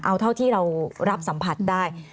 เอาเท่าที่เรารับสัมผัสได้